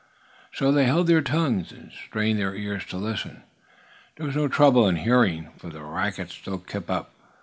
So they held their tongues, and strained their ears to listen. There was no trouble in hearing, for the racket still kept up.